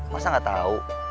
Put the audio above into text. masa gak tau